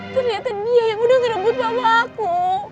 ternyata dia yang udah ngelebut mamah aku